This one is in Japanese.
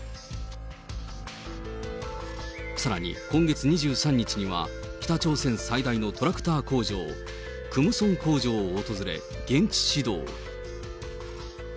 さらに、今月２３日には、北朝鮮最大のトラクター工場、クムソン工場を訪れ、現地指導。